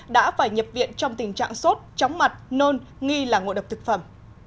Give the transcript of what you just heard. đã phải nhập viện trong tình trạng sốt chóng mặt nôn nghi là ngộ độc thực phẩm